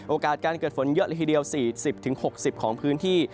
โอกาสการเกิดฝนเยอะละทีเดียว๔๐๖๐ของพื้นที่